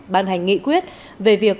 ban hành nghị quyết về việc